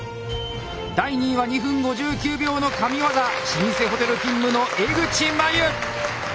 第２位は２分５９秒の神業老舗ホテル勤務の江口真由。